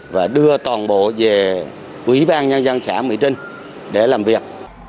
và đưa toàn bộ về quỹ ban nhân dân xã mỹ trinh để làm việc